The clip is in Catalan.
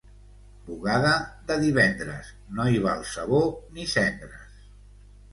Bugada de divendres, no hi val sabó ni cendres.